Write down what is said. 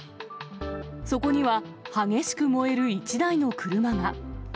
そこには、激しく燃える１台の車が。